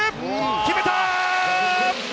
決めた！